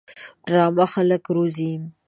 ډرامه خلک روزي